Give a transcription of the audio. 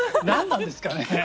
何なんですかね。